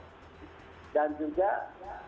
kita pemerintah provinsi